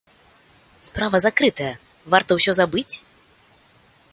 Справа закрытая, варта ўсе забыць?